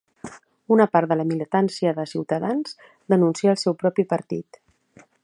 Una part de la militància de Ciutadans denuncia el seu propi partit